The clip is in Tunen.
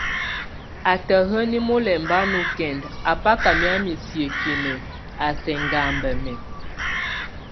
Ata héni mulɛmba nókendak, a báka miamɛ́ siekin a sʼ éŋgambmɛ́.